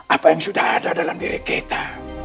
apa yang sudah ada dalam diri kita